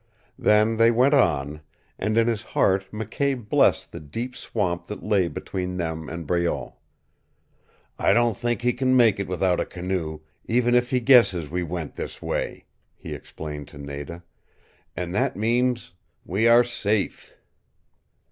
Then they went on, and in his heart McKay blessed the deep swamp that lay between them and Breault. "I don't think he can make it without a canoe, even if he guesses we went this way," he explained to Nada. "And that means we are safe."